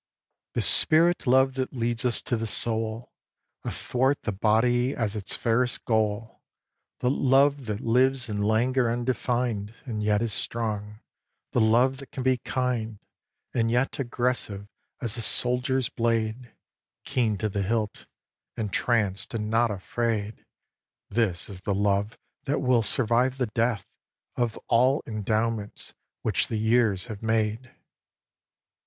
xi. The spirit love that leads us to the soul Athwart the body as its fairest goal, The love that lives in languor undefined And yet is strong, the love that can be kind And yet aggressive as a soldier's blade, Keen to the hilt, entranced and not afraid, This is the love that will survive the death Of all endowments which the years have made.